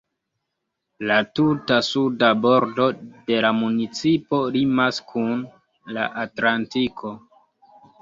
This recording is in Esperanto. La tuta suda bordo de la municipo limas kun la Atlantiko.